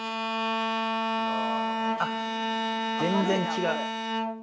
あっ全然違う。